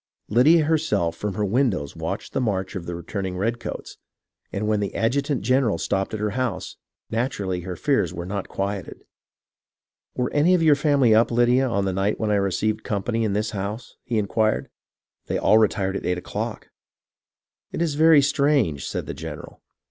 Lydia herself from her windows watched the march of the returning redcoats ; and when the adjutant general stopped at her house, naturally her fears were not quieted. "Were any of your family up, Lydia, on the night when I received company in this house ^" he inquired. "They all retired at eight o'clock." " It is very strange," said the general.